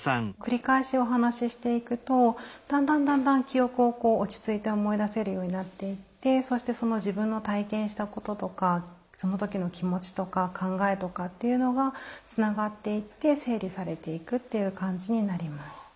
繰り返しお話ししていくとだんだんだんだん記憶を落ち着いて思い出せるようになっていってそして自分の体験したこととかその時の気持ちとか考えとかっていうのがつながっていって整理されていくっていう感じになります。